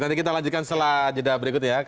nanti kita lanjutkan setelah jeda berikut ya